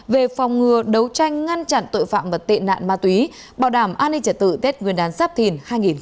về phòng ngừa đấu tranh ngăn chặn tội phạm và tệ nạn ma túy bảo đảm an ninh trả tự tết nguyên đán sắp thìn hai nghìn hai mươi bốn